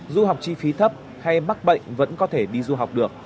du học chi phí thấp hay mắc bệnh vẫn có thể đi du học được